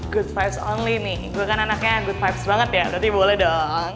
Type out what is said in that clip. good vice only nih gue kan anaknya good vibes banget ya berarti boleh dong